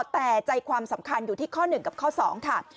แต่ใจความสำคัญอยู่ที่ข้อ๑กับข้อ๒ค่ะ